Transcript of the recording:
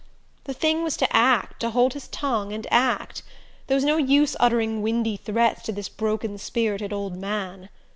The thing was to act to hold his tongue and act. There was no use uttering windy threats to this broken spirited old man.